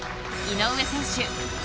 井上選手。